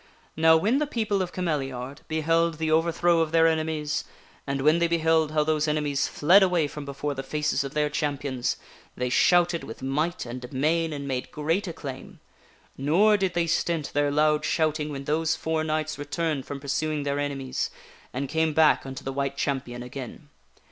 Now when the people of Cameliard beheld the overthrow of their enemies, and when they beheld how those enemies fled away from before the faces of their champions, they shouted with might and main, and made great acclaim. Nor did they stint their loud shouting when those four knights returned from pursuing their enemies and came back unto the White Champion again.